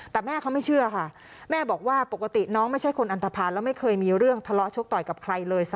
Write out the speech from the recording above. แต่แม่เขาไม่เชื่อค่ะแม่บอกว่าปกติน้องไม่ใช่คนอันตภัณฑ์แล้วไม่เคยมีเรื่องทะเลาะชกต่อยกับใครเลย